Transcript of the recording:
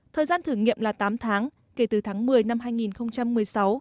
thời gian thử nghiệm là tám tháng kể từ tháng một mươi năm hai nghìn một mươi sáu